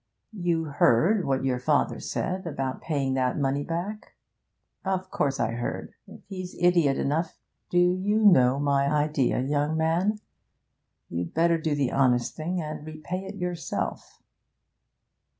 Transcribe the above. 'You heard what your father said about paying that money back?' 'Of course I heard. If he's idiot enough ' 'Do you know my idea, young man? You'd better do the honest thing, and repay it yourself.'